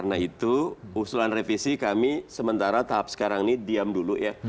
nah itu usulan revisi kami sementara tahap sekarang ini diam dulu ya